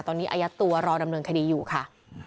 ตอนนี้อายัดตัวรอดำเนินคดีอยู่ค่ะ